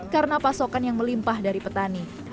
karena pasokan yang melimpah dari petani